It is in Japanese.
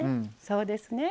そうですね。